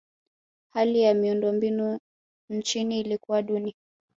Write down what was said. hali ya miundombinu nchini ilikuwa duni